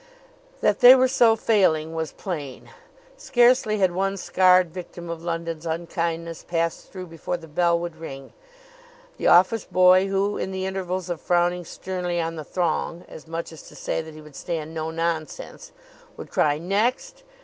That they were so failing was plain. Scarcely had one scarred victim of London's unkindness passed through before the bell would ring; the office boy, who, in the intervals of frowning sternly on the throng, as much as to say that he would stand no nonsense, would cry, "Next!"